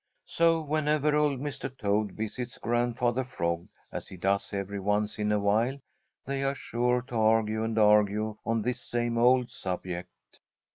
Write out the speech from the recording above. So whenever old Mr. Toad visits Grandfather Frog, as he does every once in a while, they are sure to argue and argue on this same old subject.